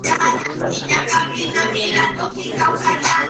Knapp describió la especie y la dibujó en xilografía.